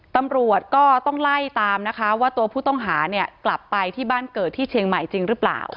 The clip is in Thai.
ตำรวจก็ต้องไล่ตามนะคะว่าตัวผู้ต้องหาเนี่ยกลับไปที่บ้านเกิดที่เชียงใหม่จริงหรือเปล่า